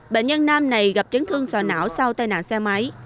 bệnh nhân nam này gặp chấn thương sò não sau tai nạn xe máy